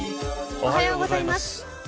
おはようございます。